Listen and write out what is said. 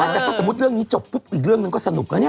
ถ้าสมมติเรื่องนี้จบปุ๊บอีกเรื่องก็สนุกแล้วนี้